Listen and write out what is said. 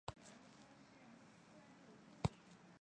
还曾面对红袜时击出满贯炮。